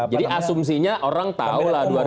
jadi asumsinya orang tahu lah